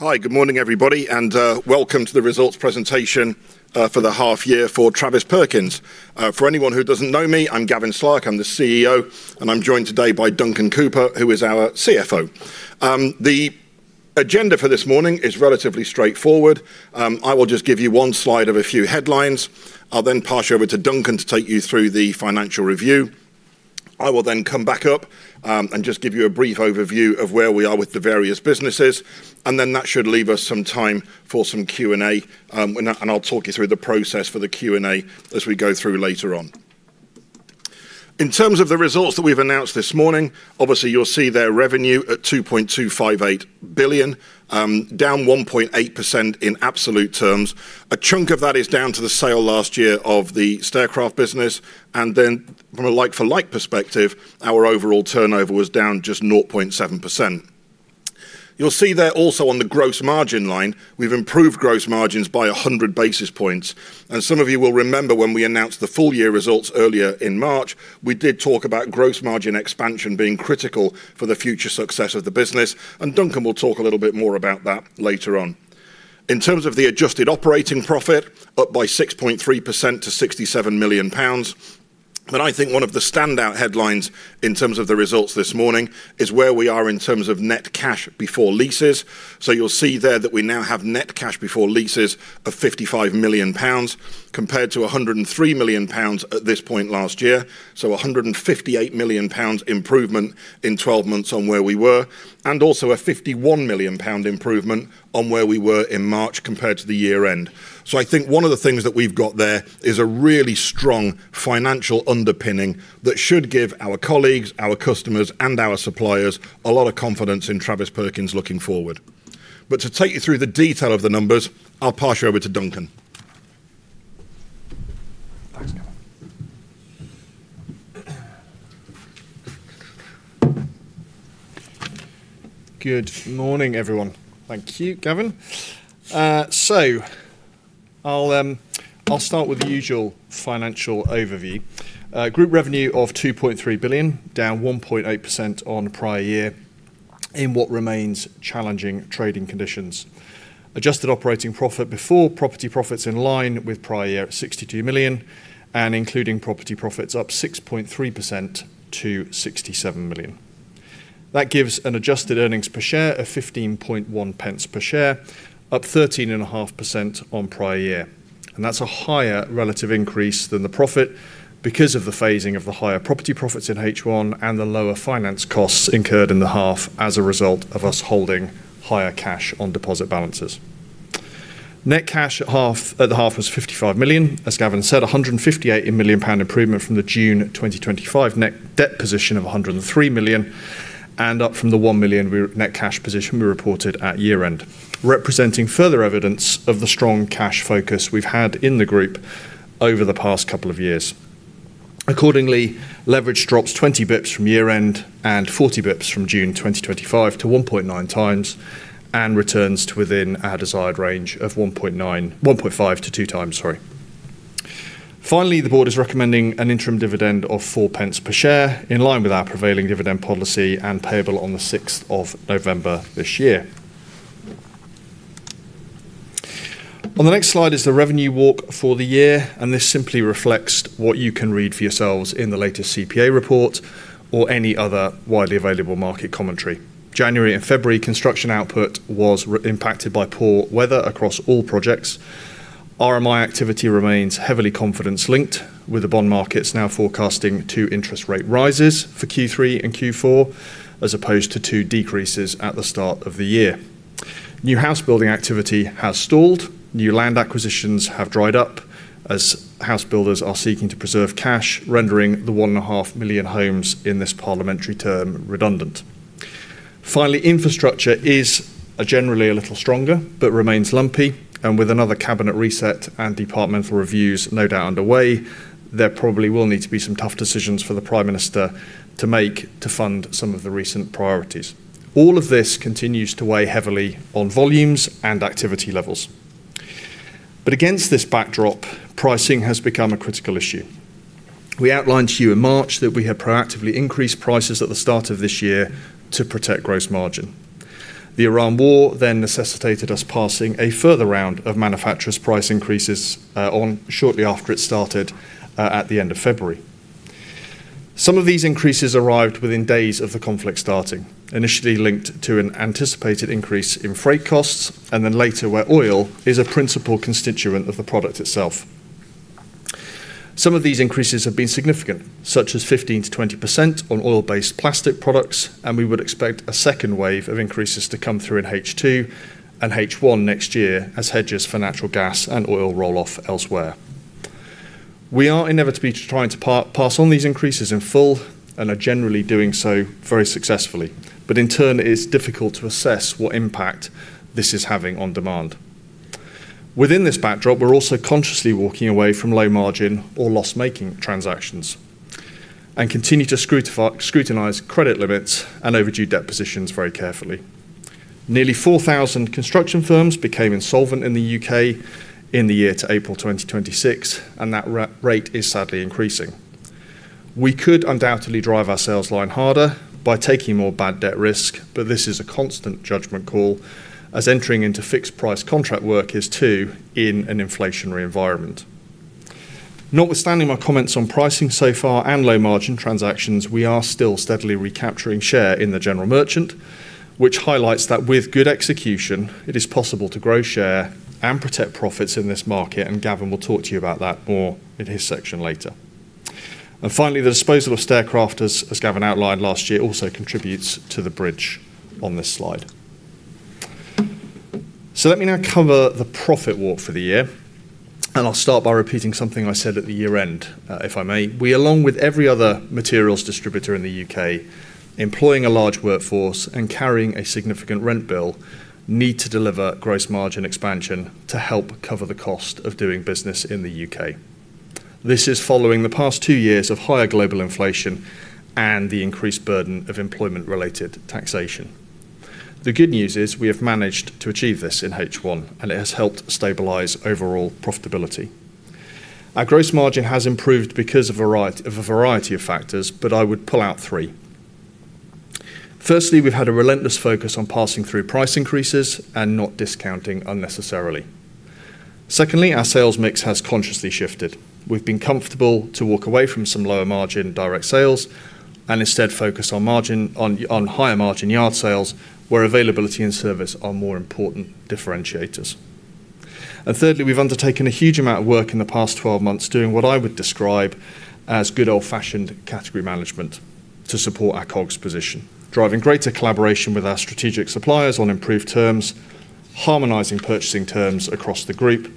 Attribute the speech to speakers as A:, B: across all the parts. A: Hi, good morning, everybody, and welcome to the results presentation for the half year for Travis Perkins. For anyone who doesn't know me, I'm Gavin Slark, I'm the Chief Executive Officer, and I'm joined today by Duncan Cooper, who is our Chief Financial Officer. The agenda for this morning is relatively straightforward. I will just give you one slide of a few headlines. I'll then pass you over to Duncan to take you through the financial review. I will then come back up and just give you a brief overview of where we are with the various businesses, and then that should leave us some time for some Q&A, and I'll talk you through the process for the Q&A as we go through later on. In terms of the results that we've announced this morning, obviously, you'll see there revenue at 2.258 billion, down 1.8% in absolute terms. A chunk of that is down to the sale last year of the Staircraft business, and then from a like for like perspective, our overall turnover was down just 0.7%. You'll see there also on the gross margin line, we've improved gross margins by 100 basis points. Some of you will remember when we announced the full year results earlier in March, we did talk about gross margin expansion being critical for the future success of the business, and Duncan will talk a little bit more about that later on. In terms of the adjusted operating profit, up by 6.3% to 67 million pounds. I think one of the standout headlines in terms of the results this morning is where we are in terms of net cash before leases. You'll see there that we now have net cash before leases of 55 million pounds, compared to 103 million pounds at this point last year. 158 million pounds improvement in 12 months on where we were, and also a 51 million pound improvement on where we were in March compared to the year-end. I think one of the things that we've got there is a really strong financial underpinning that should give our colleagues, our customers, and our suppliers a lot of confidence in Travis Perkins looking forward. To take you through the detail of the numbers, I'll pass you over to Duncan.
B: Good morning, everyone. Thank you, Gavin. I'll start with the usual financial overview. Group revenue of 2.3 billion, down 1.8% on prior year in what remains challenging trading conditions. Adjusted operating profit before property profits in line with prior year at 62 million, and including property profits up 6.3% to 67 million. That gives an adjusted earnings per share of 0.151 per share, up 13.5% on prior year. That's a higher relative increase than the profit because of the phasing of the higher property profits in H1 and the lower finance costs incurred in the half as a result of us holding higher cash on deposit balances. Net cash at the half was 55 million. As Gavin said, 158 million pound improvement from the June 2025 net debt position of 103 million, and up from the 1 million net cash position we reported at year-end, representing further evidence of the strong cash focus we've had in the group over the past couple of years. Accordingly, leverage drops 20 basis points from year-end and 40 basis points from June 2025 to 1.9x and returns to within our desired range of 1.5x-2x, sorry. Finally, the board is recommending an interim dividend of 0.04 per share, in line with our prevailing dividend policy and payable on the 6th of November this year. On the next slide is the revenue walk for the year. This simply reflects what you can read for yourselves in the latest CPA report or any other widely available market commentary. January and February construction output was impacted by poor weather across all projects. RMI activity remains heavily confidence-linked, with the bond markets now forecasting two interest rate rises for Q3 and Q4, as opposed to two decreases at the start of the year. New house building activity has stalled. New land acquisitions have dried up as house builders are seeking to preserve cash, rendering the 1.5 million homes in this parliamentary term redundant. Finally, infrastructure is generally a little stronger but remains lumpy. With another cabinet reset and departmental reviews no doubt underway, there probably will need to be some tough decisions for the Prime Minister to make to fund some of the recent priorities. All of this continues to weigh heavily on volumes and activity levels. Against this backdrop, pricing has become a critical issue. We outlined to you in March that we had proactively increased prices at the start of this year to protect gross margin. The Iran war necessitated us passing a further round of manufacturer's price increases on shortly after it started at the end of February. Some of these increases arrived within days of the conflict starting, initially linked to an anticipated increase in freight costs and then later where oil is a principal constituent of the product itself. Some of these increases have been significant, such as 15%-20% on oil-based plastic products. We would expect a second wave of increases to come through in H2 and H1 next year as hedges for natural gas and oil roll off elsewhere. We are inevitably trying to pass on these increases in full and are generally doing so very successfully. In turn, it is difficult to assess what impact this is having on demand. Within this backdrop, we're also consciously walking away from low margin or loss-making transactions and continue to scrutinize credit limits and overdue debt positions very carefully. Nearly 4,000 construction firms became insolvent in the U.K. in the year to April 2026, and that rate is sadly increasing. We could undoubtedly drive our sales line harder by taking more bad debt risk. This is a constant judgment call as entering into fixed price contract work is too, in an inflationary environment. Notwithstanding my comments on pricing so far and low margin transactions, we are still steadily recapturing share in the general merchant, which highlights that with good execution, it is possible to grow share and protect profits in this market and Gavin will talk to you about that more in his section later. Finally, the disposal of Staircraft, as Gavin outlined last year, also contributes to the bridge on this slide. Let me now cover the profit walkthrough the year, and I'll start by repeating something I said at the year end, if I may. We, along with every other materials distributor in the U.K. employing a large workforce and carrying a significant rent bill, need to deliver gross margin expansion to help cover the cost of doing business in the U.K. This is following the past two years of higher global inflation and the increased burden of employment-related taxation. The good news is we have managed to achieve this in H1 and it has helped stabilize overall profitability. Our gross margin has improved because of a variety of factors, but I would pull out three. Firstly, we've had a relentless focus on passing through price increases and not discounting unnecessarily. Secondly, our sales mix has consciously shifted. We've been comfortable to walk away from some lower margin direct sales and instead focus on higher margin yard sales where availability and service are more important differentiators. Thirdly, we've undertaken a huge amount of work in the past 12 months doing what I would describe as good old-fashioned category management to support our COGS position, driving greater collaboration with our strategic suppliers on improved terms, harmonizing purchasing terms across the group,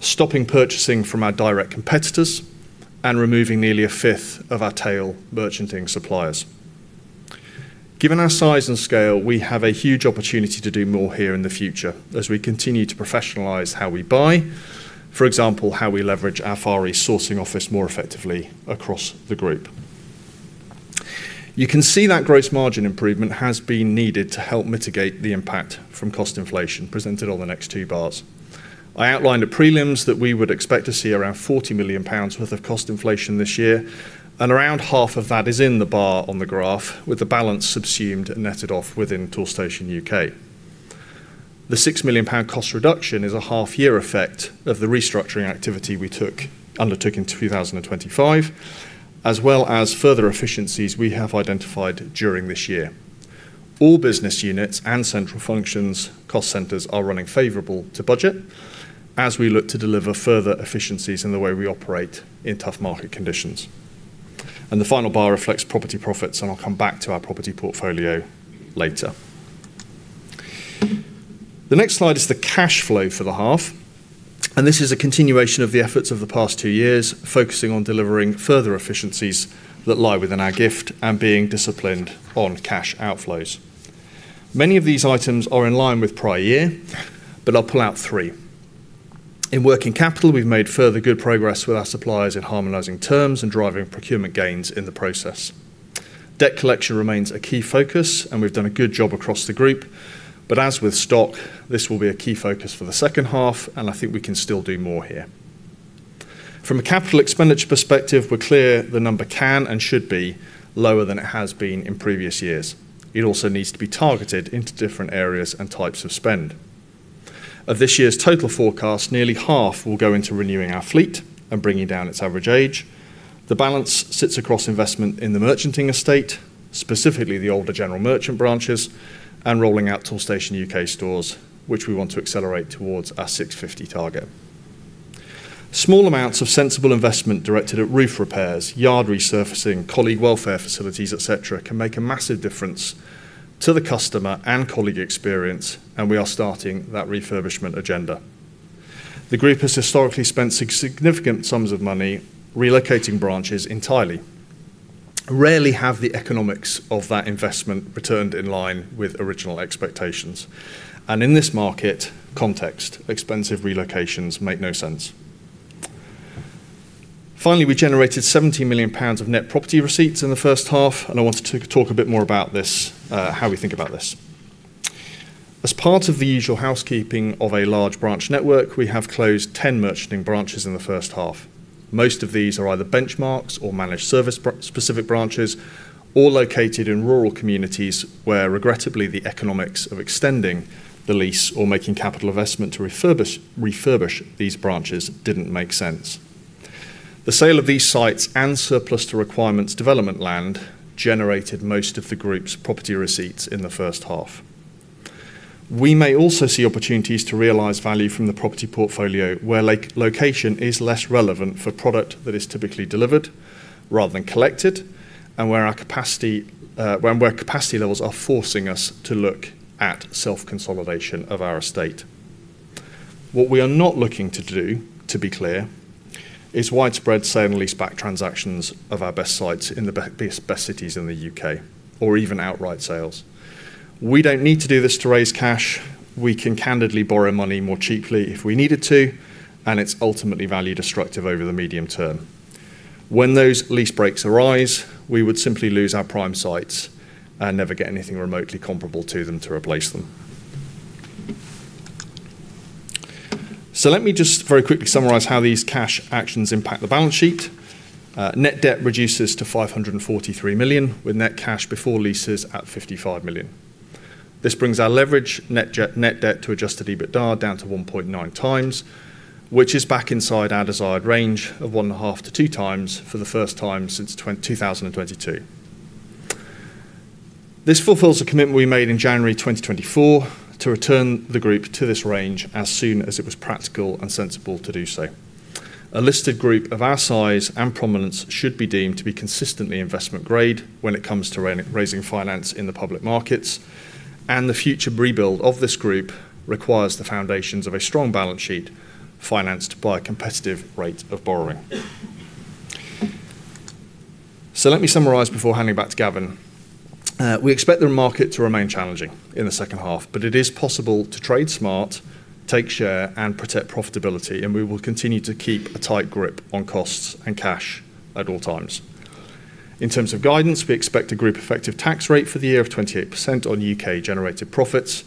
B: stopping purchasing from our direct competitors, and removing nearly a fifth of our tail merchanting suppliers. Given our size and scale, we have a huge opportunity to do more here in the future as we continue to professionalize how we buy. For example, how we leverage our Far East Sourcing Office more effectively across the group. You can see that gross margin improvement has been needed to help mitigate the impact from cost inflation presented on the next two bars. I outlined at prelims that we would expect to see around 40 million pounds worth of cost inflation this year, and around half of that is in the bar on the graph with the balance subsumed and netted off within Toolstation U.K. The 6 million pound cost reduction is a half year effect of the restructuring activity we undertook in 2025 as well as further efficiencies we have identified during this year. All business units and central functions cost centers are running favorable to budget as we look to deliver further efficiencies in the way we operate in tough market conditions. The final bar reflects property profits and I'll come back to our property portfolio later. The next slide is the cash flow for the half, this is a continuation of the efforts of the past two years, focusing on delivering further efficiencies that lie within our gift and being disciplined on cash outflows. Many of these items are in line with prior year, but I'll pull out three. In working capital, we've made further good progress with our suppliers in harmonizing terms and driving procurement gains in the process. Debt collection remains a key focus and we've done a good job across the group, but as with stock, this will be a key focus for the second half and I think we can still do more here. From a capital expenditure perspective, we're clear the number can and should be lower than it has been in previous years. It also needs to be targeted into different areas and types of spend. Of this year's total forecast, nearly half will go into renewing our fleet and bringing down its average age. The balance sits across investment in the merchanting estate, specifically the older general merchant branches, and rolling out Toolstation U.K stores, which we want to accelerate towards our 650 target. Small amounts of sensible investment directed at roof repairs, yard resurfacing, colleague welfare facilities, et cetera, can make a massive difference to the customer and colleague experience and we are starting that refurbishment agenda. The group has historically spent significant sums of money relocating branches entirely. Rarely have the economics of that investment returned in line with original expectations. In this market context, expensive relocations make no sense. Finally, we generated GBP 70 million of net property receipts in the first half, I wanted to talk a bit more about how we think about this. As part of the usual housekeeping of a large branch network, we have closed 10 merchanting branches in the first half. Most of these are either Benchmarx or managed service specific branches, all located in rural communities where regrettably, the economics of extending the lease or making capital investment to refurbish these branches didn't make sense. The sale of these sites and surplus to requirements development land generated most of the group's property receipts in the first half. We may also see opportunities to realize value from the property portfolio where location is less relevant for product that is typically delivered rather than collected, and where capacity levels are forcing us to look at self-consolidation of our estate. What we are not looking to do, to be clear, is widespread sale and lease back transactions of our best sites in the best cities in the U.K. or even outright sales. We don't need to do this to raise cash. We can candidly borrow money more cheaply if we needed to, it's ultimately value destructive over the medium term. When those lease breaks arise, we would simply lose our prime sites and never get anything remotely comparable to them to replace them. Let me just very quickly summarize how these cash actions impact the balance sheet. Net debt reduces to 543 million, with net cash before leases at 55 million. This brings our leverage net debt to adjusted EBITDA down to 1.9x, which is back inside our desired range of 1.5x-2x for the first time since 2022. This fulfills a commitment we made in January 2024 to return the group to this range as soon as it was practical and sensible to do so. A listed group of our size and prominence should be deemed to be consistently investment grade when it comes to raising finance in the public markets. The future rebuild of this group requires the foundations of a strong balance sheet financed by a competitive rate of borrowing. Let me summarize before handing back to Gavin. We expect the market to remain challenging in the second half, but it is possible to trade smart, take share, and protect profitability. We will continue to keep a tight grip on costs and cash at all times. In terms of guidance, we expect a group effective tax rate for the year of 28% on U.K. generated profits.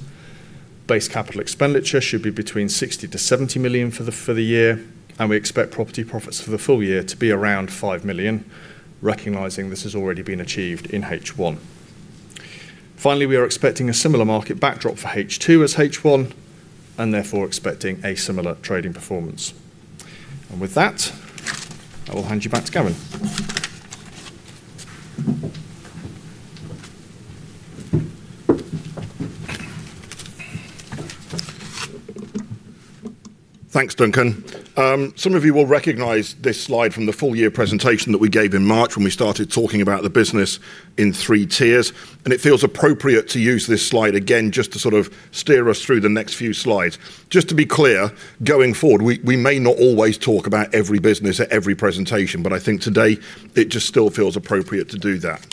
B: Base capital expenditure should be between 60 million-70 million for the year. We expect property profits for the full year to be around 5 million, recognizing this has already been achieved in H1. Finally, we are expecting a similar market backdrop for H2 as H1 and therefore expecting a similar trading performance. With that, I will hand you back to Gavin.
A: Thanks, Duncan. Some of you will recognize this slide from the full year presentation that we gave in March when we started talking about the business in three tiers. It feels appropriate to use this slide again just to sort of steer us through the next few slides. Just to be clear, going forward, we may not always talk about every business at every presentation, but I think today it just still feels appropriate to do that.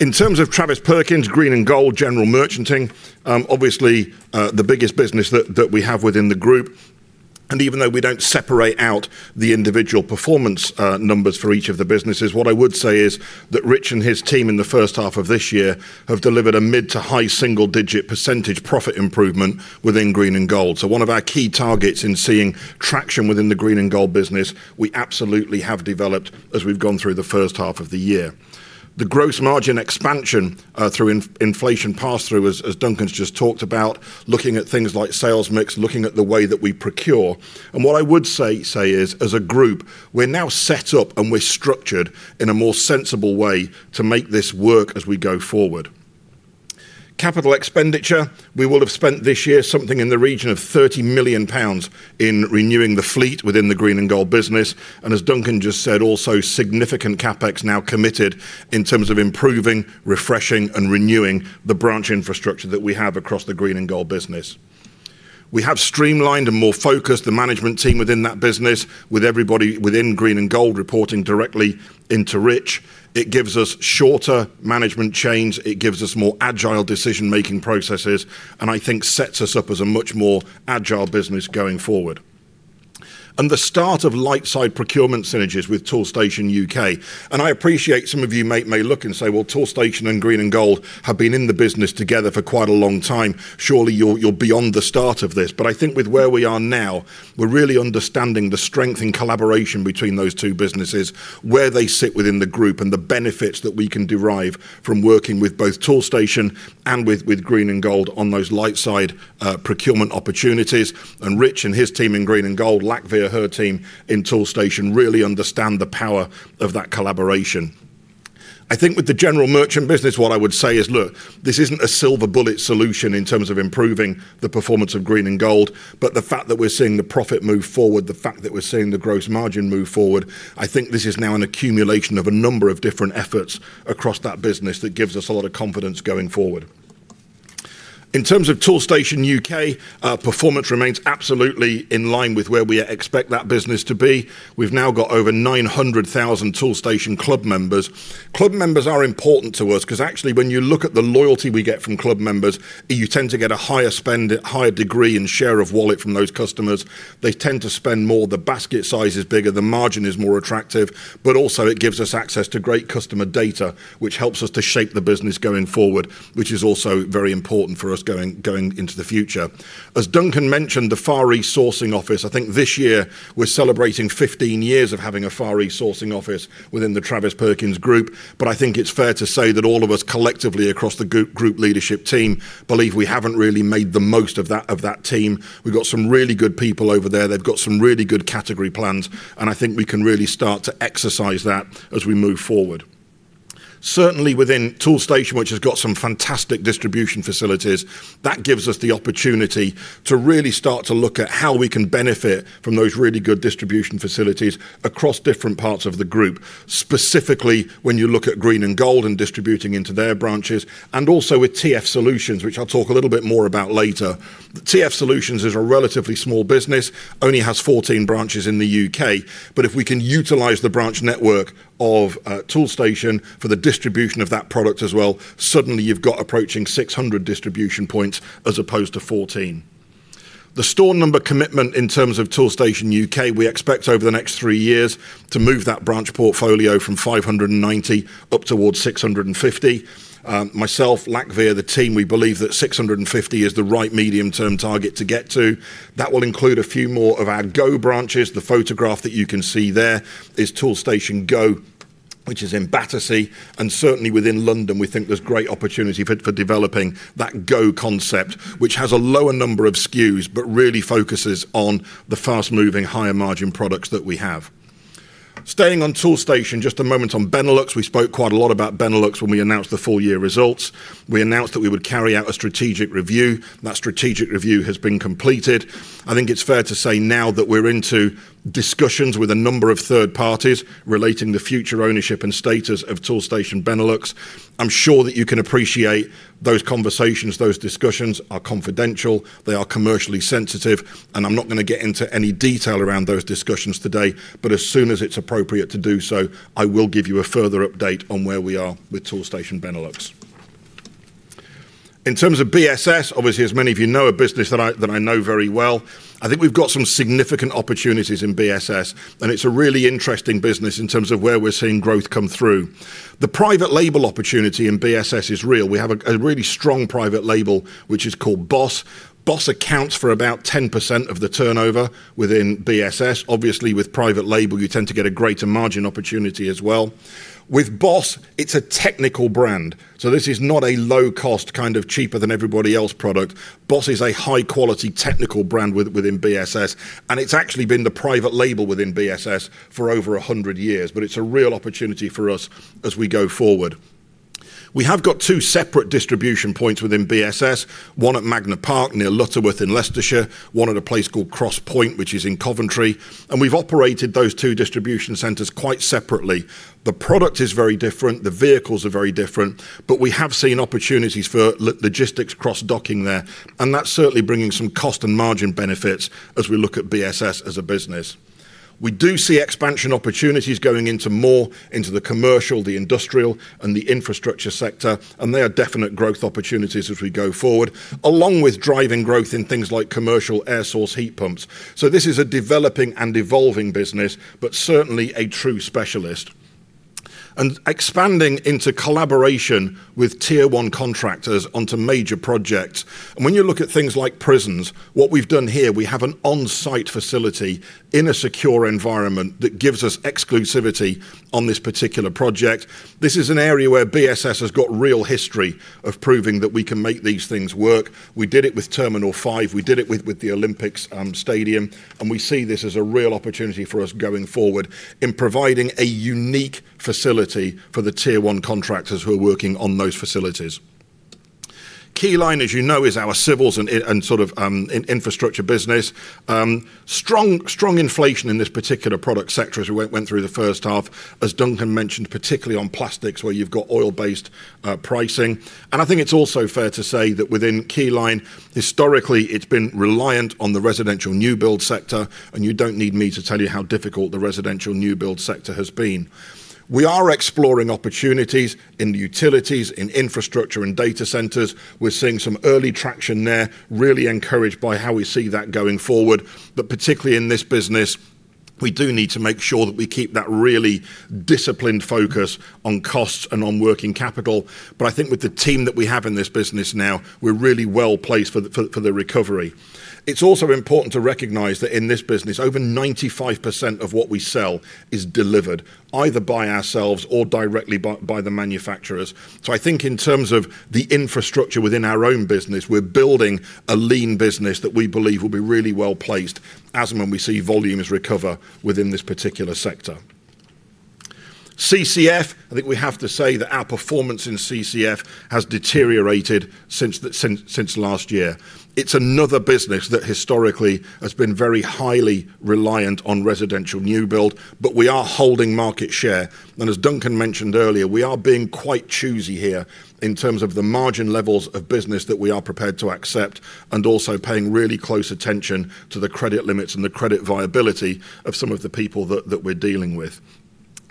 A: In terms of Travis Perkins, Green and Gold General Merchanting, obviously, the biggest business that we have within the group. Even though we don't separate out the individual performance numbers for each of the businesses, what I would say is that Rich and his team in the first half of this year have delivered a mid to high single-digit percentage profit improvement within Green and Gold. One of our key targets in seeing traction within the Green and Gold business, we absolutely have developed as we've gone through the first half of the year. The gross margin expansion, through inflation pass-through, as Duncan just talked about, looking at things like sales mix, looking at the way that we procure. What I would say is, as a group, we're now set up and we're structured in a more sensible way to make this work as we go forward. Capital expenditure, we will have spent this year something in the region of 30 million pounds in renewing the fleet within the Green and Gold business. As Duncan just said, also significant CapEx now committed in terms of improving, refreshing, and renewing the branch infrastructure that we have across the Green and Gold business. We have streamlined and more focused the management team within that business with everybody within Green and Gold reporting directly into Rich. It gives us shorter management chains, it gives us more agile decision making processes, and I think sets us up as a much more agile business going forward. The start of lightside procurement synergies with Toolstation U.K. I appreciate some of you may look and say, well, Toolstation and Green and Gold have been in the business together for quite a long time. Surely, you are beyond the start of this. I think with where we are now, we are really understanding the strength and collaboration between those two businesses, where they sit within the group, and the benefits that we can derive from working with both Toolstation and with Green and Gold on those lightside procurement opportunities. Rich and his team in Green and Gold, Lakhvir her team in Toolstation really understand the power of that collaboration. I think with the general merchant business, what I would say is, look, this isn't a silver bullet solution in terms of improving the performance of Green and Gold, but the fact that we're seeing the profit move forward, the fact that we're seeing the gross margin move forward, I think this is now an accumulation of a number of different efforts across that business that gives us a lot of confidence going forward. In terms of Toolstation U.K, performance remains absolutely in line with where we expect that business to be. We've now got over 900,000 Toolstation Club members. Club members are important to us because actually, when you look at the loyalty we get from Club members, you tend to get a higher spend, higher degree and share of wallet from those customers. They tend to spend more. The basket size is bigger, the margin is more attractive, but also it gives us access to great customer data, which helps us to shape the business going forward, which is also very important for us going into the future. As Duncan mentioned, the Far East Sourcing Office, I think this year we're celebrating 15 years of having a Far East Sourcing Office within the Travis Perkins plc. I think it's fair to say that all of us collectively across the group leadership team believe we haven't really made the most of that team. We've got some really good people over there. They've got some really good category plans. I think we can really start to exercise that as we move forward. Certainly within Toolstation, which has got some fantastic distribution facilities, that gives us the opportunity to really start to look at how we can benefit from those really good distribution facilities across different parts of the group, specifically when you look at Green and Gold and distributing into their branches, and also with TF Solutions, which I'll talk a little bit more about later. TF Solutions is a relatively small business, only has 14 branches in the U.K. If we can utilize the branch network of Toolstation for the distribution of that product as well, suddenly you've got approaching 600 distribution points as opposed to 14. The store number commitment in terms of Toolstation U.K, we expect over the next three years to move that branch portfolio from 590 up towards 650. Myself, Lakhvir, the team, we believe that 650 is the right medium-term target to get to. That will include a few more of our Go branches. The photograph that you can see there is Toolstation Go, which is in Battersea. Certainly within London, we think there's great opportunity for developing that Go concept, which has a lower number of SKUs, but really focuses on the fast-moving, higher margin products that we have. Staying on Toolstation just a moment. On Benelux, we spoke quite a lot about Benelux when we announced the full-year results. We announced that we would carry out a strategic review. That strategic review has been completed. I think it's fair to say now that we're into discussions with a number of third parties relating the future ownership and status of Toolstation Benelux. I'm sure that you can appreciate those conversations, those discussions are confidential, they are commercially sensitive. I'm not going to get into any detail around those discussions today, as soon as it's appropriate to do so, I will give you a further update on where we are with Toolstation Benelux. In terms of BSS, obviously, as many of you know, a business that I know very well. I think we've got some significant opportunities in BSS, and it's a really interesting business in terms of where we're seeing growth come through. The private label opportunity in BSS is real. We have a really strong private label, which is called Boss. Boss accounts for about 10% of the turnover within BSS. Obviously, with private label, you tend to get a greater margin opportunity as well. With Boss, it's a technical brand, so this is not a low-cost, kind of cheaper than everybody else product. Boss is a high-quality technical brand within BSS, and it's actually been the private label within BSS for over 100 years. It's a real opportunity for us as we go forward. We have got two separate distribution points within BSS. One at Magna Park near Lutterworth in Leicestershire, one at a place called Cross Point, which is in Coventry. We've operated those two distribution centers quite separately. The product is very different, the vehicles are very different. We have seen opportunities for logistics cross-docking there, that's certainly bringing some cost and margin benefits as we look at BSS as a business. We do see expansion opportunities going into more into the commercial, the industrial, and the infrastructure sector. They are definite growth opportunities as we go forward, along with driving growth in things like commercial air source heat pumps. This is a developing and evolving business, certainly a true specialist. Expanding into collaboration with Tier 1 contractors onto major projects. When you look at things like prisons, what we've done here, we have an on-site facility in a secure environment that gives us exclusivity on this particular project. This is an area where BSS has got real history of proving that we can make these things work. We did it with Terminal 5, we did it with the Olympics stadium, and we see this as a real opportunity for us going forward in providing a unique facility for the Tier 1 contractors who are working on those facilities. Keyline, as you know, is our civils and sort of infrastructure business. Strong inflation in this particular product sector as we went through the first half, as Duncan mentioned, particularly on plastics, where you've got oil-based pricing. I think it's also fair to say that within Keyline, historically, it's been reliant on the residential new build sector, and you don't need me to tell you how difficult the residential new build sector has been. We are exploring opportunities in utilities, in infrastructure, and data centers. We're seeing some early traction there. Really encouraged by how we see that going forward. Particularly in this business, we do need to make sure that we keep that really disciplined focus on costs and on working capital. I think with the team that we have in this business now, we're really well-placed for the recovery. It's also important to recognize that in this business, over 95% of what we sell is delivered either by ourselves or directly by the manufacturers. I think in terms of the infrastructure within our own business, we're building a lean business that we believe will be really well-placed as and when we see volumes recover within this particular sector. CCF, I think we have to say that our performance in CCF has deteriorated since last year. It's another business that historically has been very highly reliant on residential new build, we are holding market share. As Duncan mentioned earlier, we are being quite choosy here in terms of the margin levels of business that we are prepared to accept and also paying really close attention to the credit limits and the credit viability of some of the people that we're dealing with.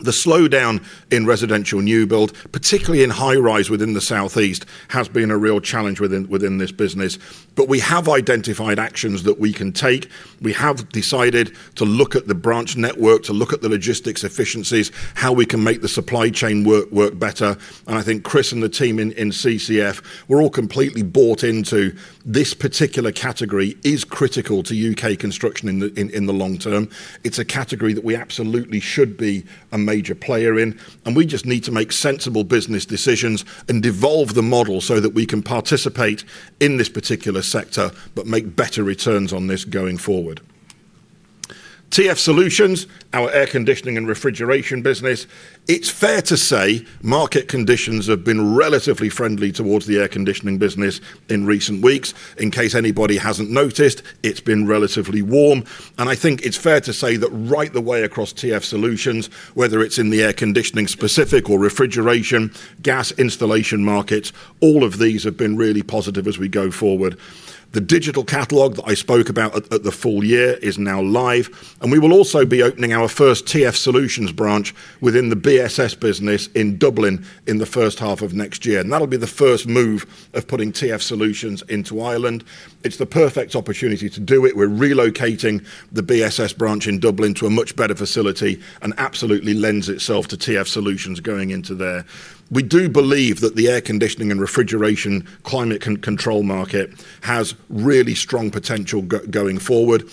A: The slowdown in residential new build, particularly in high-rise within the Southeast, has been a real challenge within this business. We have identified actions that we can take. We have decided to look at the branch network, to look at the logistics efficiencies, how we can make the supply chain work better. I think Chris and the team in CCF were all completely bought into this particular category is critical to U.K. construction in the long term. It's a category that we absolutely should be a major player in, and we just need to make sensible business decisions and devolve the model so that we can participate in this particular sector but make better returns on this going forward. TF Solutions, our air conditioning and refrigeration business. It's fair to say market conditions have been relatively friendly towards the air conditioning business in recent weeks. In case anybody hasn't noticed, it's been relatively warm, and I think it's fair to say that right the way across TF Solutions, whether it's in the air conditioning specific or refrigeration, gas installation markets, all of these have been really positive as we go forward. The digital catalog that I spoke about at the full year is now live. We will also be opening our first TF Solutions branch within the BSS business in Dublin in the first half of next year. That'll be the first move of putting TF Solutions into Ireland. It's the perfect opportunity to do it. We're relocating the BSS branch in Dublin to a much better facility and absolutely lends itself to TF Solutions going into there. We do believe that the air conditioning and refrigeration climate control market has really strong potential going forward.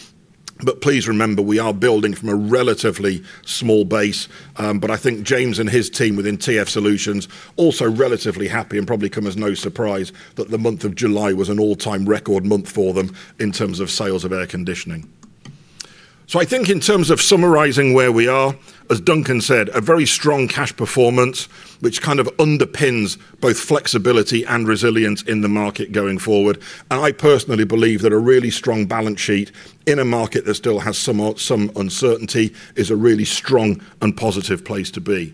A: Please remember, we are building from a relatively small base. I think James and his team within TF Solutions also relatively happy and probably come as no surprise that the month of July was an all-time record month for them in terms of sales of air conditioning. I think in terms of summarizing where we are, as Duncan said, a very strong cash performance, which kind of underpins both flexibility and resilience in the market going forward. I personally believe that a really strong balance sheet in a market that still has some uncertainty is a really strong and positive place to be.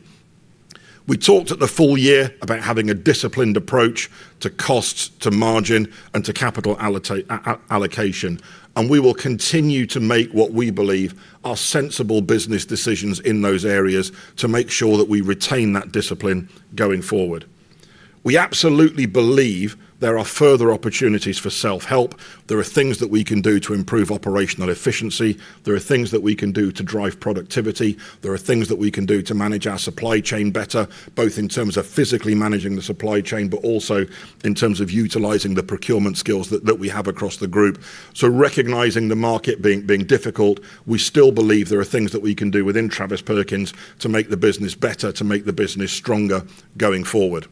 A: We talked at the full year about having a disciplined approach to cost, to margin, and to capital allocation. We will continue to make what we believe are sensible business decisions in those areas to make sure that we retain that discipline going forward. We absolutely believe there are further opportunities for self-help. There are things that we can do to improve operational efficiency. There are things that we can do to drive productivity. There are things that we can do to manage our supply chain better, both in terms of physically managing the supply chain, but also in terms of utilizing the procurement skills that we have across the group. Recognizing the market being difficult, we still believe there are things that we can do within Travis Perkins to make the business better, to make the business stronger going forward.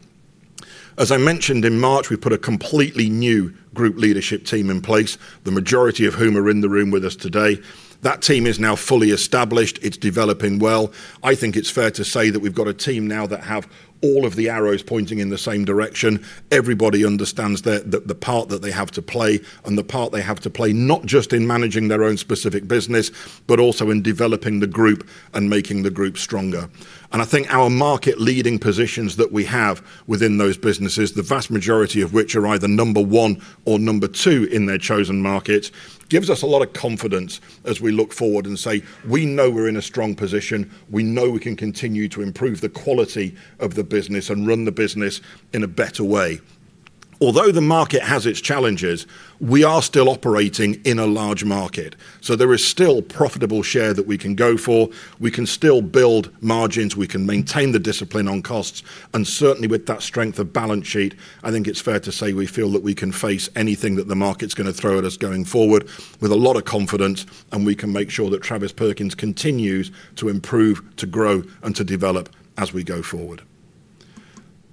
A: As I mentioned in March, we put a completely new group leadership team in place, the majority of whom are in the room with us today. That team is now fully established. It's developing well. I think it's fair to say that we've got a team now that have all of the arrows pointing in the same direction. Everybody understands the part that they have to play and the part they have to play, not just in managing their own specific business, but also in developing the group and making the group stronger. I think our market leading positions that we have within those businesses, the vast majority of which are either number one or number two in their chosen market, gives us a lot of confidence as we look forward and say, we know we're in a strong position. We know we can continue to improve the quality of the business and run the business in a better way. Although the market has its challenges, we are still operating in a large market, so there is still profitable share that we can go for. We can still build margins. We can maintain the discipline on costs, certainly with that strength of balance sheet, I think it's fair to say we feel that we can face anything that the market's going to throw at us going forward with a lot of confidence, we can make sure that Travis Perkins continues to improve, to grow, and to develop as we go forward.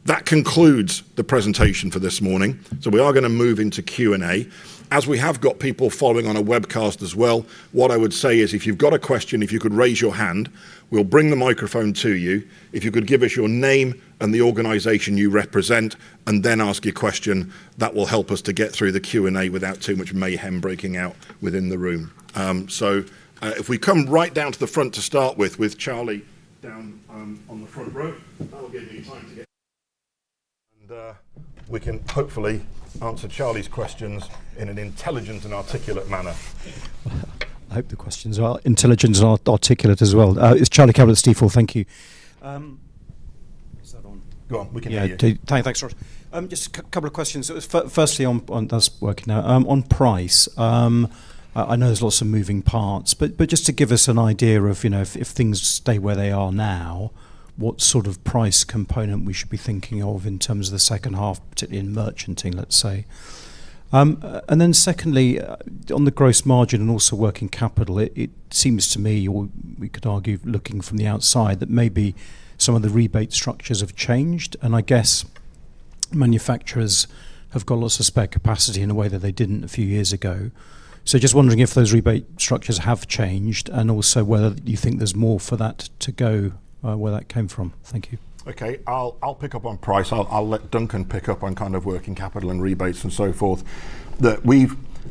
A: That concludes the presentation for this morning. We are going to move into Q&A. As we have got people following on a webcast as well, what I would say is, if you've got a question, if you could raise your hand, we'll bring the microphone to you. If you could give us your name and the organization you represent, then ask your question, that will help us to get through the Q&A without too much mayhem breaking out within the room. If we come right down to the front to start with Charlie down on the front row. That will give me time to get we can hopefully answer Charlie's questions in an intelligent and articulate manner.
C: I hope the questions are intelligent and articulate as well. It's Charlie Campbell, Stifel. Thank you. Is that on?
A: Go on. We can hear you.
C: Thanks, [inaudible] Just a couple of questions. Firstly on, that's working now. On price, I know there's lots of moving parts, but just to give us an idea of if things stay where they are now, what sort of price component we should be thinking of in terms of the second half, particularly in merchanting, let's say. Secondly, on the gross margin and also working capital, it seems to me, or we could argue looking from the outside, that maybe some of the rebate structures have changed, and I guess manufacturers have got lots of spare capacity in a way that they didn't a few years ago. Just wondering if those rebate structures have changed and also whether you think there's more for that to go where that came from. Thank you.
A: Okay. I'll pick up on price. I'll let Duncan pick up on kind of working capital and rebates and so forth.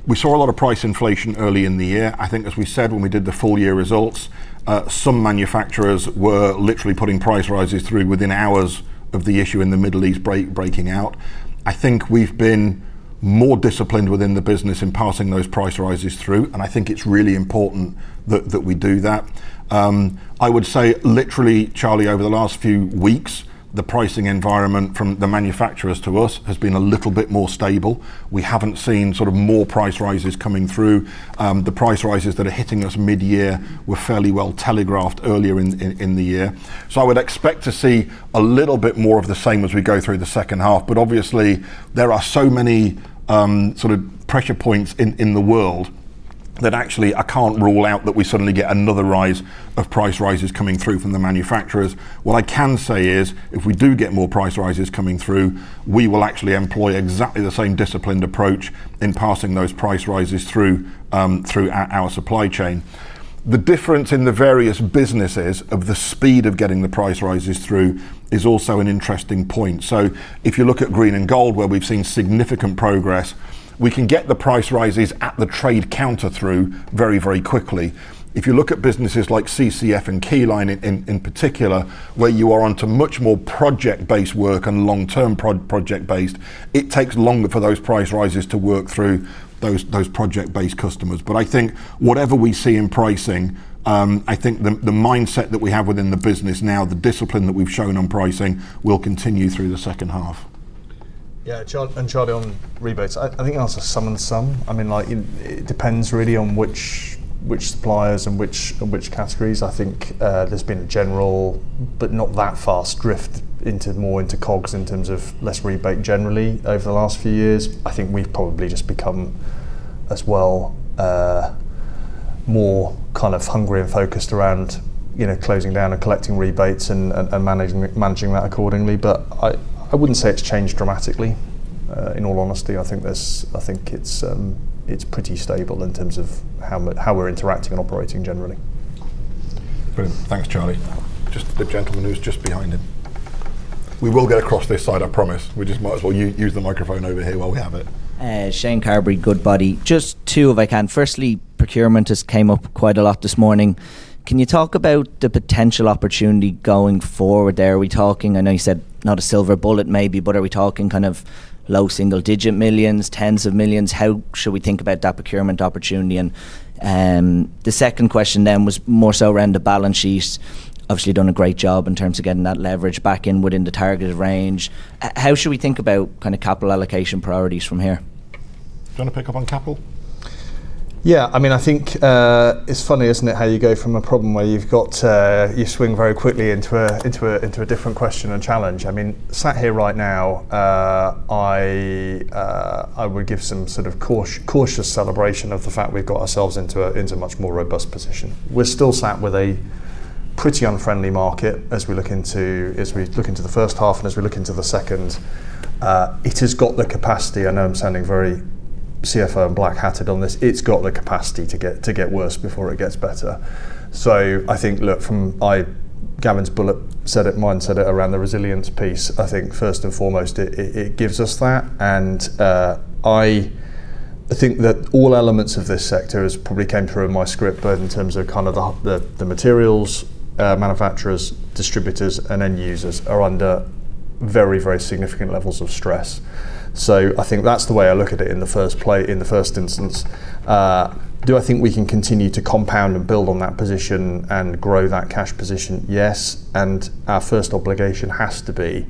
A: We saw a lot of price inflation early in the year. I think, as we said when we did the full year results, some manufacturers were literally putting price rises through within hours of the issue in the Middle East breaking out. I think we've been more disciplined within the business in passing those price rises through, and I think it's really important that we do that. I would say literally, Charlie, over the last few weeks, the pricing environment from the manufacturers to us has been a little bit more stable. We haven't seen sort of more price rises coming through. The price rises that are hitting us mid-year were fairly well telegraphed earlier in the year. I would expect to see a little bit more of the same as we go through the second half. There are so many sort of pressure points in the world that actually I can't rule out that we suddenly get another rise of price rises coming through from the manufacturers. What I can say is, if we do get more price rises coming through, we will actually employ exactly the same disciplined approach in passing those price rises through our supply chain. The difference in the various businesses of the speed of getting the price rises through is also an interesting point. If you look at Green and Gold, where we've seen significant progress, we can get the price rises at the trade counter through very quickly. If you look at businesses like CCF and Keyline in particular, where you are onto much more project-based work and long-term project based, it takes longer for those price rises to work through those project-based customers. I think whatever we see in pricing, I think the mindset that we have within the business now, the discipline that we've shown on pricing will continue through the second half.
B: Yeah. Charlie, on rebates, I think that's a sum and sum. It depends really on which suppliers and which categories. I think there's been a general, but not that fast drift more into COGS in terms of less rebate generally over the last few years. I think we've probably just become as well a more kind of hungry and focused around closing down and collecting rebates and managing that accordingly. I wouldn't say it's changed dramatically. In all honesty, I think it's pretty stable in terms of how we're interacting and operating generally.
A: Brilliant. Thanks, Charlie. Just the gentleman who's just behind him. We will get across this side, I promise. We just might as well use the microphone over here while we have it.
D: Shane Carberry, Goodbody. Just two if I can. Firstly, procurement has came up quite a lot this morning. Can you talk about the potential opportunity going forward there? Are we talking, I know you said not a silver bullet maybe, but are we talking kind of low single-digit millions, tens of millions? How should we think about that procurement opportunity? The second question then was more so around the balance sheets. Obviously, you've done a great job in terms of getting that leverage back in within the targeted range. How should we think about capital allocation priorities from here?
A: Do you want to pick up on capital?
B: Yeah. I think it's funny, isn't it, how you go from a problem where you swing very quickly into a different question and challenge. Sat here right now, I would give some sort of cautious celebration of the fact we've got ourselves into a much more robust position. We're still sat with a pretty unfriendly market as we look into the first half and as we look into the second. It has got the capacity, I know I'm sounding very CFO and black-hatted on this. It's got the capacity to get worse before it gets better. I think, look, from Gavin's bullet said it, mine said it around the resilience piece, I think first and foremost, it gives us that. I think that all elements of this sector has probably came through in my script, but in terms of the materials, manufacturers, distributors, and end users are under very significant levels of stress. I think that's the way I look at it in the first instance. Do I think we can continue to compound and build on that position and grow that cash position? Yes, our first obligation has to be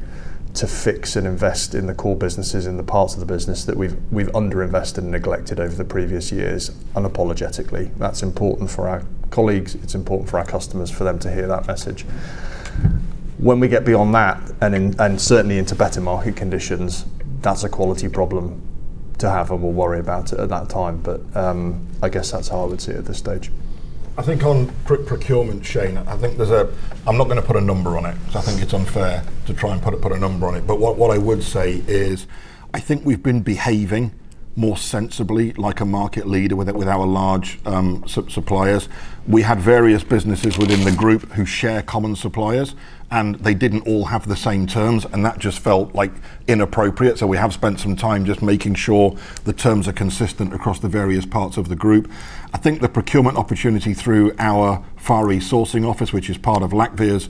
B: to fix and invest in the core businesses, in the parts of the business that we've under-invested and neglected over the previous years, unapologetically. That's important for our colleagues. It's important for our customers for them to hear that message. When we get beyond that, and certainly into better market conditions, that's a quality problem to have, and we'll worry about it at that time. I guess that's how I would see it at this stage.
A: I think on procurement, Shane, I think there's I'm not going to put a number on it because I think it's unfair to try and put a number on it. What I would say is, I think we've been behaving more sensibly like a market leader with our large suppliers. We had various businesses within the group who share common suppliers, and they didn't all have the same terms, and that just felt inappropriate. We have spent some time just making sure the terms are consistent across the various parts of the group. I think the procurement opportunity through our Far East Sourcing Office, which is part of Lakhvir's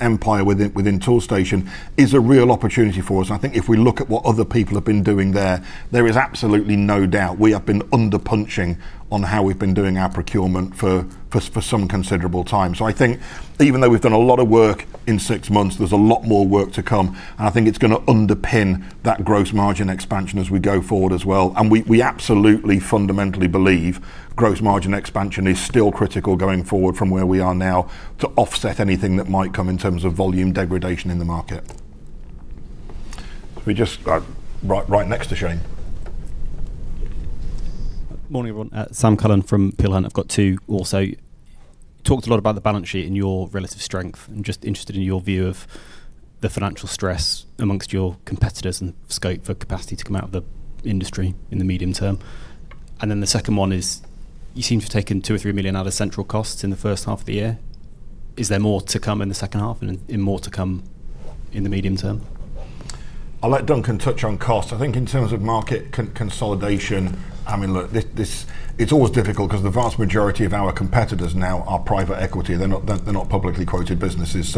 A: empire within Toolstation, is a real opportunity for us. I think if we look at what other people have been doing there is absolutely no doubt we have been under-punching on how we've been doing our procurement for some considerable time. I think even though we've done a lot of work in six months, there's a lot more work to come, and I think it's going to underpin that gross margin expansion as we go forward as well. We absolutely fundamentally believe gross margin expansion is still critical going forward from where we are now to offset anything that might come in terms of volume degradation in the market. Right next to Shane.
E: Morning, everyone. Sam Cullen from Peel Hunt. I've got two also. You talked a lot about the balance sheet and your relative strength. I'm just interested in your view of the financial stress amongst your competitors and scope for capacity to come out of the industry in the medium-term. Then the second one is, you seem to have taken 2 million or 3 million out of central costs in the first half of the year. Is there more to come in the second half and more to come in the medium term?
A: I'll let Duncan touch on cost. I think in terms of market consolidation, it's always difficult because the vast majority of our competitors now are private equity. They're not publicly quoted businesses.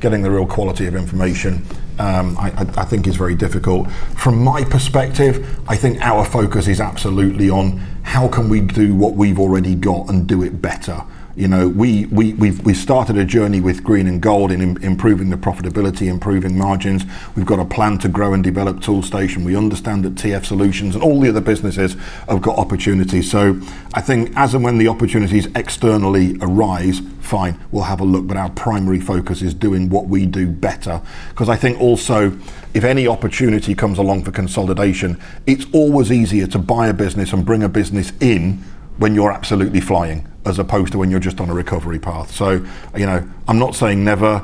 A: Getting the real quality of information I think is very difficult. From my perspective, I think our focus is absolutely on how can we do what we've already got and do it better? We started a journey with Green and Gold in improving the profitability, improving margins. We've got a plan to grow and develop Toolstation. We understand that TF Solutions and all the other businesses have got opportunities. I think as and when the opportunities externally arise, fine, we'll have a look, but our primary focus is doing what we do better. I think also if any opportunity comes along for consolidation, it's always easier to buy a business and bring a business in when you're absolutely flying, as opposed to when you're just on a recovery path. I'm not saying never.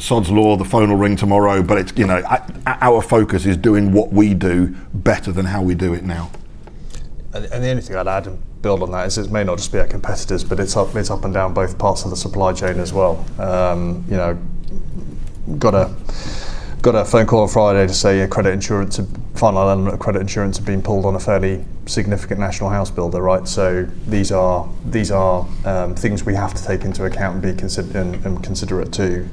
A: Sod's Law, the phone will ring tomorrow, but our focus is doing what we do better than how we do it now.
B: The only thing I'd add and build on that is this may not just be our competitors, but it's up and down both parts of the supply chain as well. Got a phone call on Friday to say a credit insurance, a final element of credit insurance had been pulled on a fairly significant national house builder. These are things we have to take into account and be considerate to.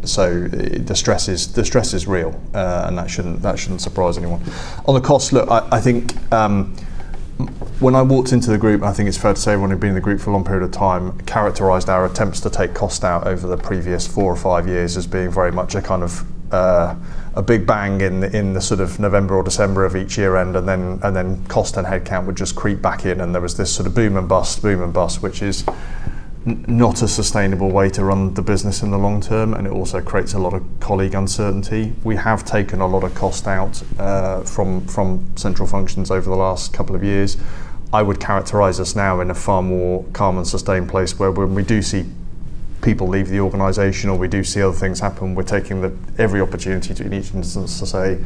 B: The stress is real, and that shouldn't surprise anyone. On the cost, I think when I walked into the group, I think it's fair to say everyone who'd been in the group for a long period of time characterized our attempts to take cost out over the previous four or five years as being very much a kind of a big bang in the November or December of each year-end, then cost and headcount would just creep back in, and there was this sort of boom and bust which is not a sustainable way to run the business in the long term, and it also creates a lot of colleague uncertainty. We have taken a lot of cost out from central functions over the last couple of years. I would characterize us now in a far more calm and sustained place where, when we do see people leave the organization or we do see other things happen, we're taking every opportunity to, in each instance, to say,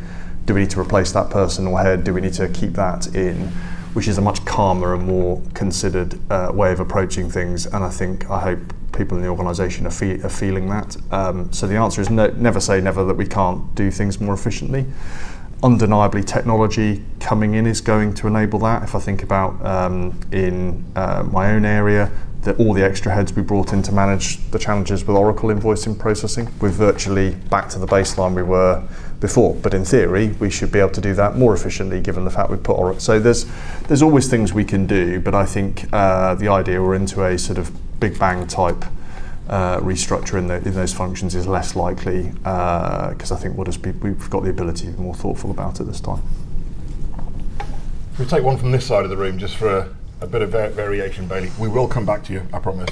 B: "Do we need to replace that person or head? Do we need to keep that in?" Which is a much calmer and more considered way of approaching things, and I think, I hope, people in the organization are feeling that. The answer is never say never that we can't do things more efficiently. Undeniably, technology coming in is going to enable that. If I think about in my own area, that all the extra heads we brought in to manage the challenges with Oracle invoicing processing, we're virtually back to the baseline we were before. In theory, we should be able to do that more efficiently given the fact we've put. There's always things we can do, I think the idea we're into a sort of Big Bang type restructuring in those functions is less likely, because I think we've got the ability to be more thoughtful about it this time.
A: We'll take one from this side of the room just for a bit of variation, Bailey. We will come back to you, I promise.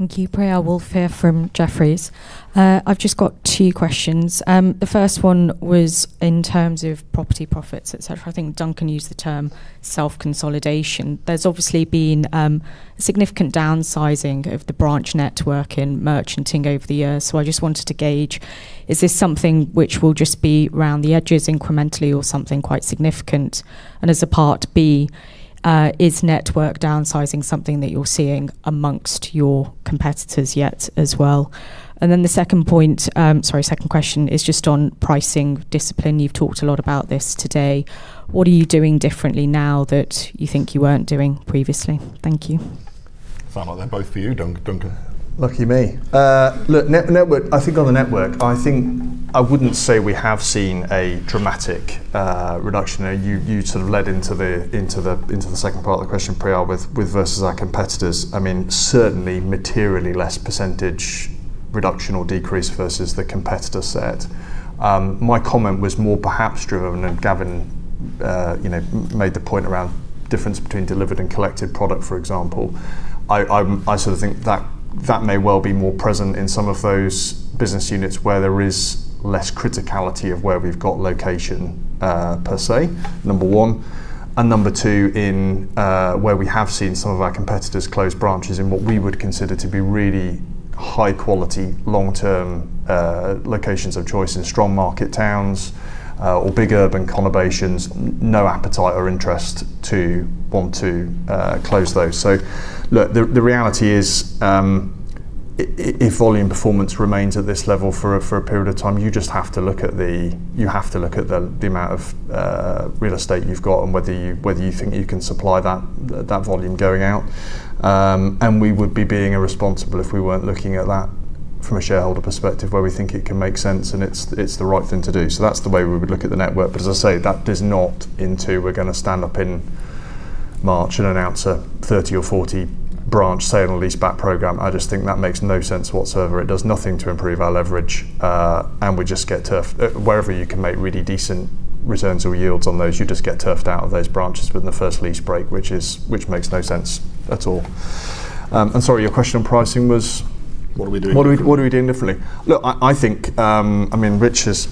F: Thank you. Priyal Woolf from Jefferies. I've just got two questions. The first one was in terms of property profits, et cetera. I think Duncan used the term self-consolidation. There's obviously been a significant downsizing of the branch network in merchanting over the years. I just wanted to gauge, is this something which will just be around the edges incrementally or something quite significant? As a part B, is network downsizing something that you're seeing amongst your competitors yet as well? The second question is just on pricing discipline. You've talked a lot about this today. What are you doing differently now that you think you weren't doing previously? Thank you.
A: Sound like they're both for you, Duncan.
B: Lucky me. Look, network. I think on the network, I think I wouldn't say we have seen a dramatic reduction. You sort of led into the second part of the question, Priyal, with versus our competitors. Certainly, materially less percentage reduction or decrease versus the competitor set. My comment was more perhaps driven, Gavin made the point around difference between delivered and collected product, for example. I think that may well be more present in some of those business units where there is less criticality of where we've got location per se, number one and number two, where we have seen some of our competitors close branches in what we would consider to be really high quality long-term locations of choice in strong market towns or big urban conurbations, no appetite or interest to want to close those. Look, the reality is, if volume performance remains at this level for a period of time, you just have to look at the amount of real estate you've got and whether you think you can supply that volume going out. We would be being irresponsible if we weren't looking at that from a shareholder perspective where we think it can make sense and it's the right thing to do. That's the way we would look at the network. As I say, that is not into we're going to stand up in March and announce a 30 or 40 branch sale and leaseback program. I just think that makes no sense whatsoever. It does nothing to improve our leverage. Wherever you can make really decent returns or yields on those, you just get turfed out of those branches within the first lease break, which makes no sense at all. Sorry, your question on pricing was?
A: What are we doing differently?
B: What are we doing differently? Look,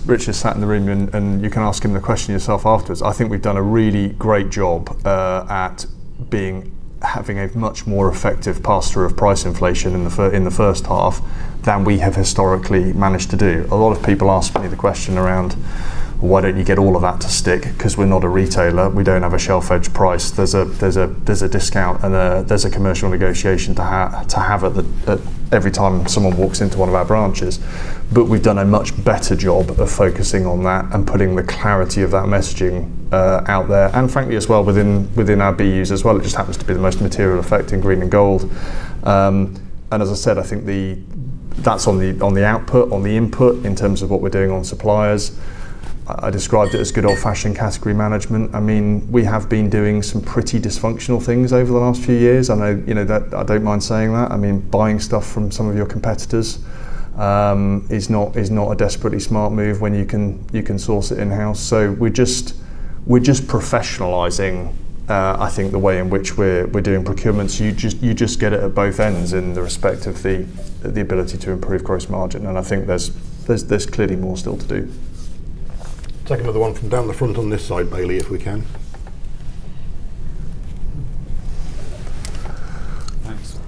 B: Rich has sat in the room, and you can ask him the question yourself afterwards. I think we've done a really great job at having a much more effective pass through of price inflation in the first half than we have historically managed to do. A lot of people ask me the question around, why don't you get all of that to stick? Because we're not a retailer. We don't have a shelf edge price. There's a discount and there's a commercial negotiation to have every time someone walks into one of our branches. Frankly, as well within our BUs as well. It just happens to be the most material effect in Green and Gold. As I said, I think that's on the output, on the input in terms of what we're doing on suppliers. I described it as good old-fashioned category management. We have been doing some pretty dysfunctional things over the last few years. I don't mind saying that. Buying stuff from some of your competitors is not a desperately smart move when you can source it in-house. We're just professionalizing, I think, the way in which we're doing procurement. You just get it at both ends in the respect of the ability to improve gross margin, and I think there's clearly more still to do.
A: Take another one from down the front on this side, Bailey, if we can.
G: Thanks.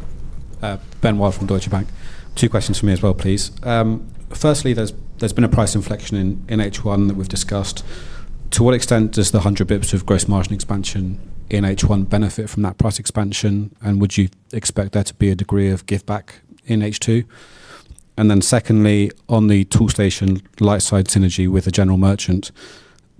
G: Ben Wild from Deutsche Bank. Two questions from me as well, please. Firstly, there's been a price inflection in H1 that we've discussed. To what extent does the 100 basis points of gross margin expansion in H1 benefit from that price expansion, and would you expect there to be a degree of give back in H2? Secondly, on the Toolstation lightside synergy with the general merchant,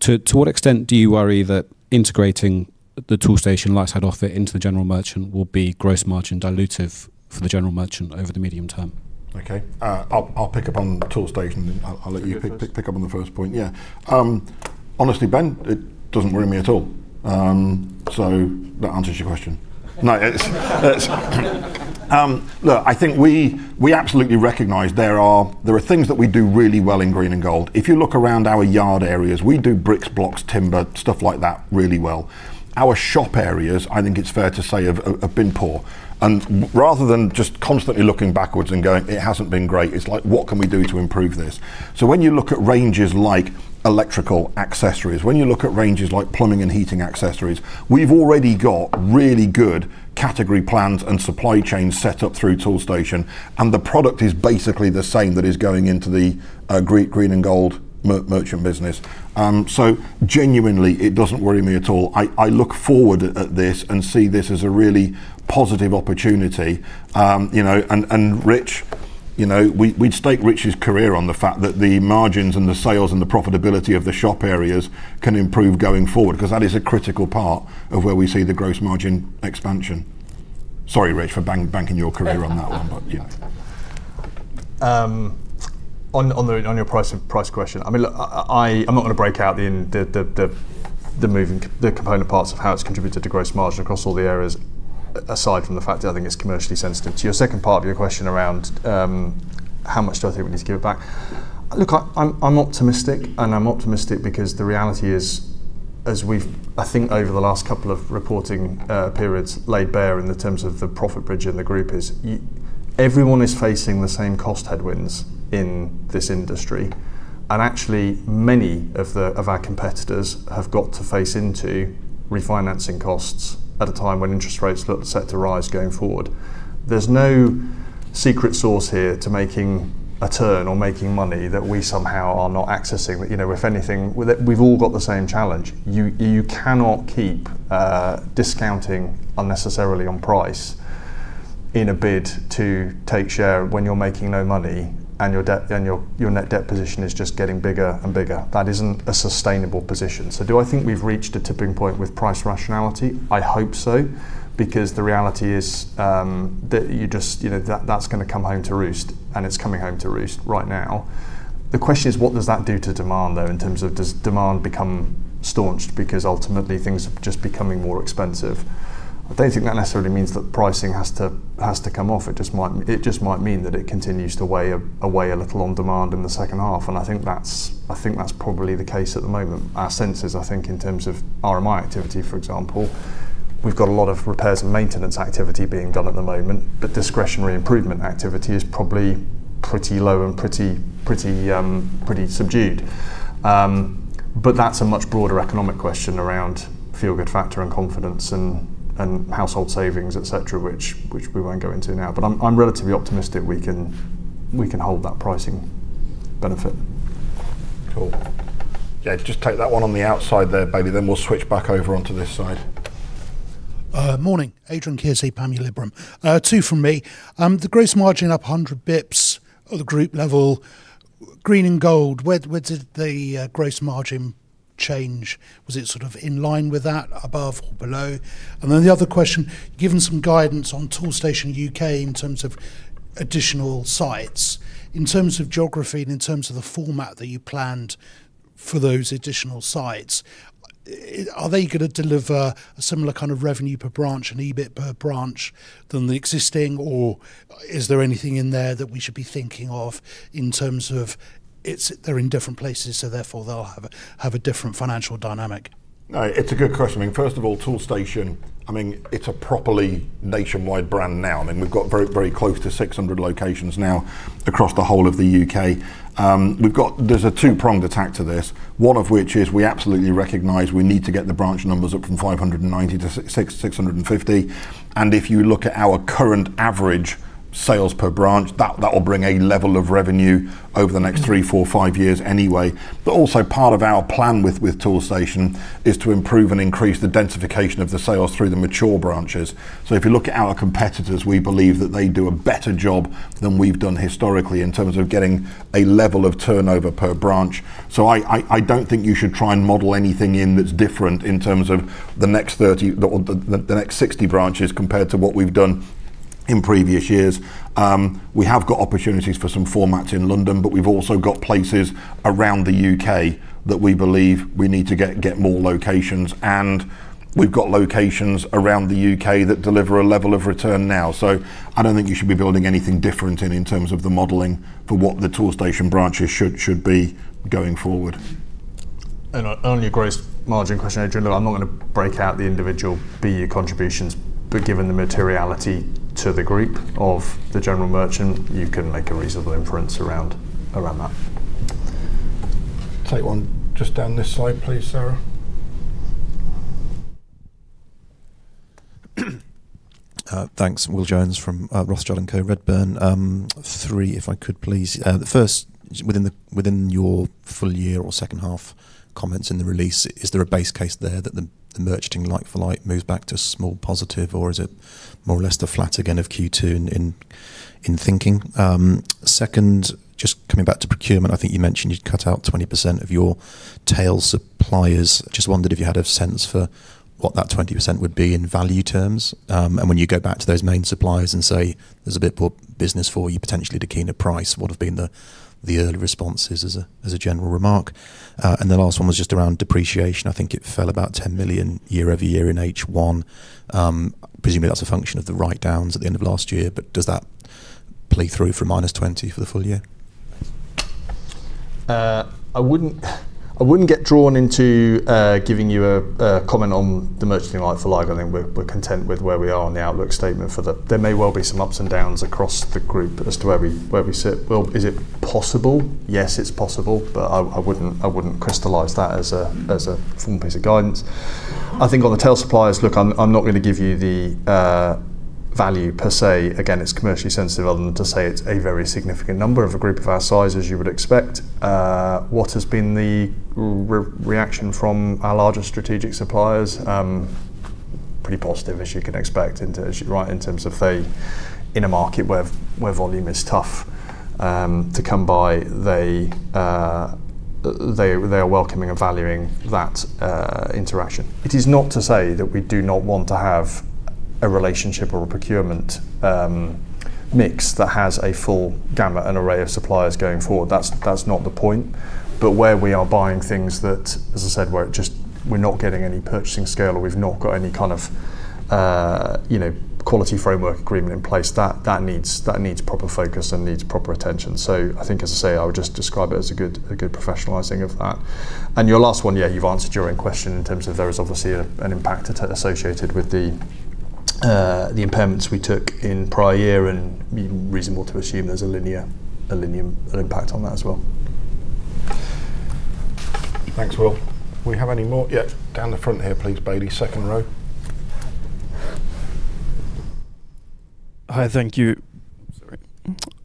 G: to what extent do you worry that integrating the Toolstation lightside offer into the general merchant will be gross margin dilutive for the general merchant over the medium term?
A: Okay. I'll pick up on Toolstation.
G: That's good.
A: I'll let you pick up on the first point. Yeah. Honestly, Ben, it doesn't worry me at all. That answers your question No. Look, I think we absolutely recognize there are things that we do really well in Green and Gold. If you look around our yard areas, we do bricks, blocks, timber, stuff like that really well. Our shop areas, I think it's fair to say, have been poor. Rather than just constantly looking backwards and going, "It hasn't been great," it's like, "What can we do to improve this?" When you look at ranges like electrical accessories, when you look at ranges like plumbing and heating accessories, we've already got really good category plans and supply chains set up through Toolstation, the product is basically the same that is going into the Green and Gold merchant business. Genuinely, it doesn't worry me at all. I look forward at this and see this as a really positive opportunity. Rich, we'd stake Rich's career on the fact that the margins and the sales and the profitability of the shop areas can improve going forward because that is a critical part of where we see the gross margin expansion. Sorry, Rich, for banking your career on that one, yeah.
B: On your price question. Look, I'm not going to break out the component parts of how it's contributed to gross margin across all the areas, aside from the fact that I think it's commercially sensitive. To your second part of your question around how much do I think we need to give it back, look, I'm optimistic, I'm optimistic because the reality is, as we've, I think over the last couple of reporting periods, laid bare in the terms of the profit bridge in the group is everyone is facing the same cost headwinds in this industry. Actually, many of our competitors have got to face into refinancing costs at a time when interest rates look set to rise going forward. There's no secret sauce here to making a turn or making money that we somehow are not accessing. If anything, we've all got the same challenge. You cannot keep discounting unnecessarily on price in a bid to take share when you're making no money and your net debt position is just getting bigger and bigger. That isn't a sustainable position. Do I think we've reached a tipping point with price rationality? I hope so, because the reality is that's going to come home to roost, and it's coming home to roost right now. The question is, what does that do to demand, though, in terms of does demand become staunched because ultimately things are just becoming more expensive? I don't think that necessarily means that pricing has to come off. It just might mean that it continues to weigh a little on demand in the second half, and I think that's probably the case at the moment. Our sense is, I think in terms of RMI activity, for example, we've got a lot of repairs and maintenance activity being done at the moment, discretionary improvement activity is probably pretty low and pretty subdued. That's a much broader economic question around feel-good factor and confidence and household savings, et cetera, which we won't go into now. I'm relatively optimistic we can hold that pricing benefit.
A: Cool. Yeah, just take that one on the outside there, Bailey, we'll switch back over onto this side.
H: Morning. Adrian Kearsey, Panmure Gordon. Two from me. The gross margin up 100 basis points at the group level. Green and Gold, where did the gross margin change? Was it sort of in line with that, above or below? The other question, given some guidance on Toolstation U.K in terms of additional sites. In terms of geography and in terms of the format that you planned for those additional sites, are they going to deliver a similar kind of revenue per branch and EBIT per branch than the existing, or is there anything in there that we should be thinking of in terms of it's they're in different places, therefore they'll have a different financial dynamic?
A: No, it's a good question. First of all, Toolstation, it's a properly nationwide brand now, and we've got very close to 600 locations now across the whole of the U.K. There's a two-pronged attack to this, one of which is we absolutely recognize we need to get the branch numbers up from 590-650. If you look at our current average sales per branch, that will bring a level of revenue over the next three, four, five years anyway. Also part of our plan with Toolstation is to improve and increase the densification of the sales through the mature branches. If you look at our competitors, we believe that they do a better job than we've done historically in terms of getting a level of turnover per branch. I don't think you should try and model anything in that's different in terms of the next 60 branches compared to what we've done in previous years. We have got opportunities for some formats in London, but we've also got places around the U.K. that we believe we need to get more locations, and we've got locations around the U.K. that deliver a level of return now. I don't think you should be building anything different in terms of the modeling for what the Toolstation branches should be going forward.
B: On your gross margin question, Adrian, look, I'm not going to break out the individual BUs contributions, but given the materiality to the group of the general merchant, you can make a reasonable inference around that.
A: Take one just down this slide, please, Sarah.
I: Thanks. Will Jones from Rothschild & Co Redburn. Three, if I could, please. The first, within your full year or second half comments in the release, is there a base case there that the merchanting like-for-like moves back to small positive, or is it more or less the flat again of Q2 in thinking? Second, just coming back to procurement, I think you mentioned you'd cut out 20% of your tail suppliers. Just wondered if you had a sense for what that 20% would be in value terms. When you go back to those main suppliers and say there's a bit more business for you potentially to keen a price, what have been the early responses as a general remark? The last one was just around depreciation. I think it fell about 10 million year-over-year in H1. Presumably, that's a function of the write-downs at the end of last year, does that play through for -20 million for the full year?
B: I wouldn't get drawn into giving you a comment on the merchanting like-for-like. I think we're content with where we are on the outlook statement for the. There may well be some ups and downs across the group as to where we sit. Well, is it possible? Yes, it's possible. I wouldn't crystallize that as a formal piece of guidance. I think on the tail suppliers, look, I'm not going to give you the value per se. Again, it's commercially sensitive other than to say it's a very significant number of a group of our size, as you would expect. What has been the reaction from our larger strategic suppliers? Pretty positive, as you can expect, in terms of they, in a market where volume is tough to come by, they are welcoming and valuing that interaction. It is not to say that we do not want to have a relationship or a procurement mix that has a full gamut, an array of suppliers going forward. That's not the point. Where we are buying things that, as I said, we're not getting any purchasing scale, or we've not got any kind of quality framework agreement in place, that needs proper focus and needs proper attention. I think, as I say, I would just describe it as a good professionalizing of that. Your last one, yeah, you've answered your own question in terms of there is obviously an impact associated with the impairments we took in prior year and reasonable to assume there's a linear impact on that as well.
A: Thanks, Will. We have any more? Yeah. Down the front here, please, Bailey. Second row.
J: Hi, thank you. Sorry.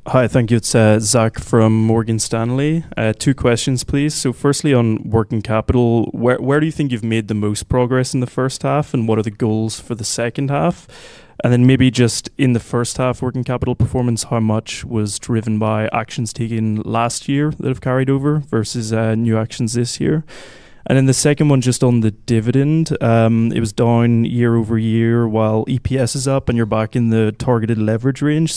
J: Hi, thank you. It's Zach from Morgan Stanley. Two questions, please. Firstly, on working capital, where do you think you've made the most progress in the first half, and what are the goals for the second half? Maybe just in the first half working capital performance, how much was driven by actions taken last year that have carried over versus new actions this year? The second one, just on the dividend, it was down year-over-year while EPS is up and you're back in the targeted leverage range.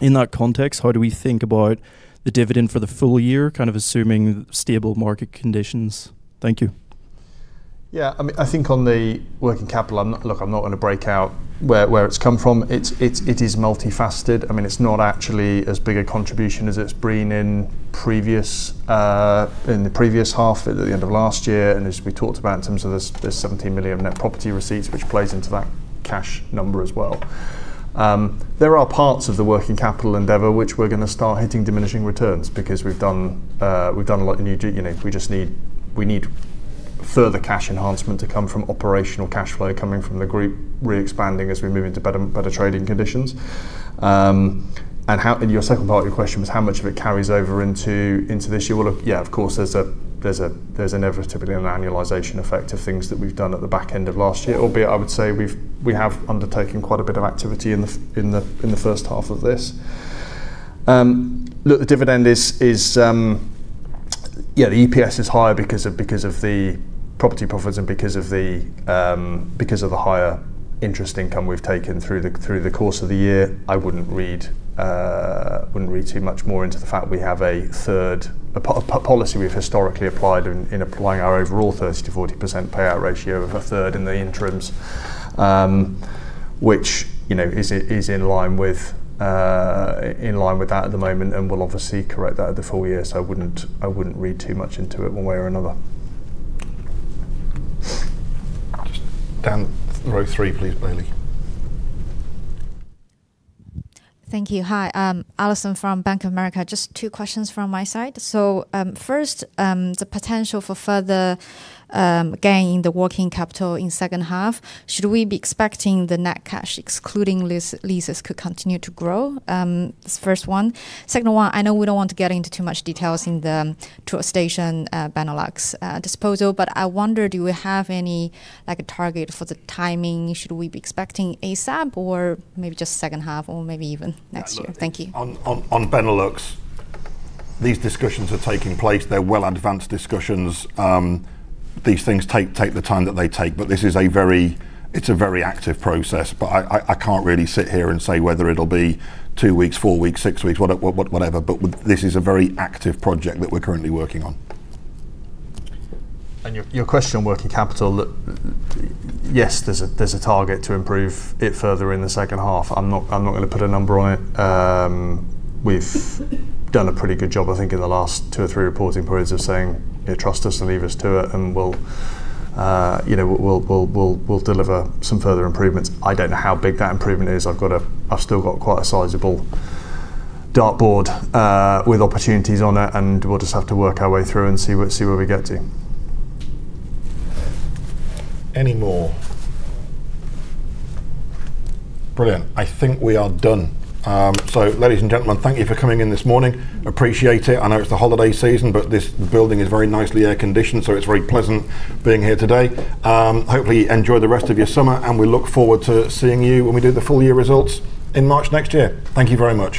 J: In that context, how do we think about the dividend for the full year, kind of assuming stable market conditions? Thank you.
B: I think on the working capital, look, I'm not going to break out where it's come from. It is multifaceted. It's not actually as big a contribution as it's been in the previous half, at the end of last year. As we talked about in terms of the 17 million net property receipts, which plays into that cash number as well. There are parts of the working capital endeavor which we're going to start hitting diminishing returns because we've done a lot. We need further cash enhancement to come from operational cash flow coming from the group re-expanding as we move into better trading conditions. Your second part of your question was how much of it carries over into this year. Well, look, yeah, of course, there's inevitably an annualization effect of things that we've done at the back end of last year, albeit I would say we have undertaken quite a bit of activity in the first half of this. Look, the dividend is, yeah, the EPS is higher because of the property profits and because of the higher interest income we've taken through the course of the year. I wouldn't read too much more into the fact we have a policy we've historically applied in applying our overall 30%-40% payout ratio of 1/3 in the interims, which is in line with that at the moment, and we'll obviously correct that at the full year. I wouldn't read too much into it one way or another.
A: Just down row three, please, Bailey.
K: Thank you. Hi. Allison from Bank of America. Just two questions from my side. First, the potential for further gain in the working capital in second half. Should we be expecting the net cash, excluding leases, could continue to grow? Is the first one. Second one, I know we don't want to get into too much details in the Toolstation Benelux disposal, but I wonder, do we have any, like a target for the timing? Should we be expecting ASAP or maybe just second half or maybe even next year? Thank you.
A: On Benelux, these discussions are taking place. They're well-advanced discussions. These things take the time that they take. It's a very active process. I can't really sit here and say whether it'll be two weeks, four weeks, six weeks, whatever. This is a very active project that we're currently working on.
B: Your question on working capital. Look, yes, there's a target to improve it further in the second half. I'm not going to put a number on it. We've done a pretty good job, I think, in the last two or three reporting periods of saying, "Trust us and leave us to it and we'll deliver some further improvements." I don't know how big that improvement is. I've still got quite a sizable dartboard with opportunities on it, and we'll just have to work our way through and see where we get to.
A: Any more? Brilliant. I think we are done. Ladies and gentlemen, thank you for coming in this morning. Appreciate it. I know it's the holiday season, but this building is very nicely air-conditioned, so it's very pleasant being here today. Hopefully, enjoy the rest of your summer, and we look forward to seeing you when we do the full year results in March next year. Thank you very much.